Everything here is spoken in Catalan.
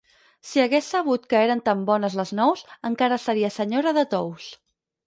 Si hagués sabut que eren tan bones les nous, encara seria senyora de Tous.